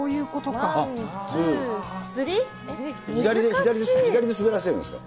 左に滑らせるんですか？